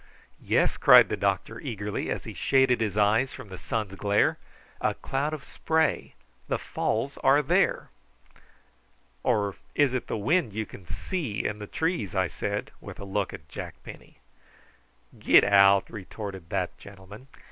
"Yes!" cried the doctor eagerly, as he shaded his eyes from the sun's glare; "a cloud of spray. The falls are there!" "Or is it the wind you can see in the trees?" I said, with a look at Jack Penny. "Get out!" retorted that gentleman.